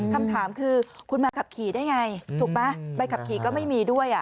คำถามคือคุณมาขับขี่ได้ไงถูกไหมใบขับขี่ก็ไม่มีด้วย